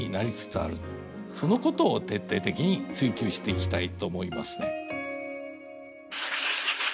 そのことを徹底的に追究していきたいと思いますね。